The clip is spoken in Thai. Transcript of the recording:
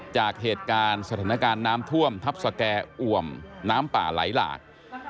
จากเหตุการณ์สถานการณ์น้ำท่วมทัพสแก่อ่วมน้ำป่าไหลหลาก